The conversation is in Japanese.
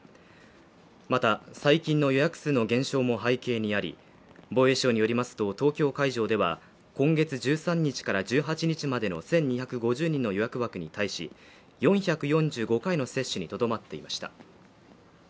また、最近の予約数の減少も背景にあり、防衛省によりますと東京会場では今月１３日から１８日までの１２５０人の予約枠に対し４４５回の接種にとどまっていました。